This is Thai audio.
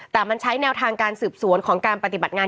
แต่มันใช้แนวทางการสืบสวนของการปฏิบัติงาน